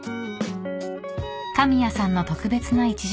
［神谷さんの特別な１時間］